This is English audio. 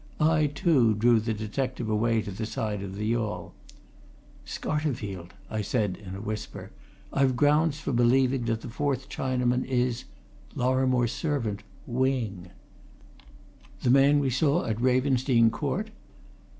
I, too, drew the detective away to the side of the yawl. "Scarterfield," I said in a whisper, "I've grounds for believing that the fourth Chinaman is Lorrimore's servant Wing." "What!" he exclaimed. "The man we saw at Ravensdene Court?"